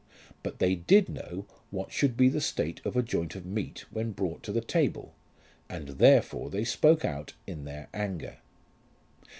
But they did know what should be the state of a joint of meat when brought to the table, and therefore they spoke out in their anger.